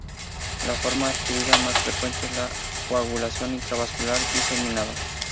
La forma adquirida más frecuente es la coagulación intravascular diseminada.